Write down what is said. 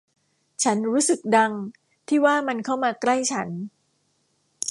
ฉันรู้สึกดังที่ว่ามันเข้ามาใกล้ฉัน